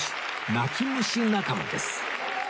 泣き虫仲間です